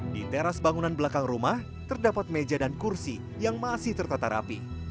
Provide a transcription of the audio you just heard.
di teras bangunan belakang rumah terdapat meja dan kursi yang masih tertata rapi